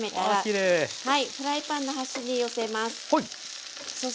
フライパンの端に寄せます。